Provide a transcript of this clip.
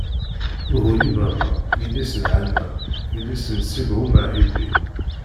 Uhulibama, yelli-s n Ɛana, yelli-s n Ṣibɛun Aḥibi.